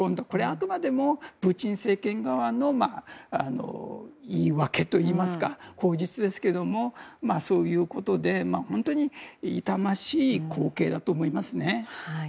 これはあくまでもプーチン政権側の言い訳といいますか口実ですけれどもそういうことで本当に痛ましい光景だと思います。